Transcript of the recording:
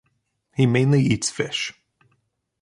He mainly eats fish.